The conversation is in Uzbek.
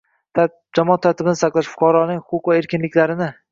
jamoat tartibini saqlash, fuqarolarning huquqlari va erkinliklarini